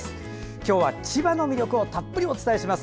今日は千葉の魅力をたっぷりお伝えします。